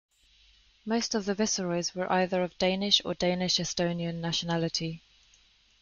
Most of the viceroys were either of Danish or Danish-Estonian nationality.